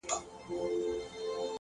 پوهه له تجربې ژورېږي.!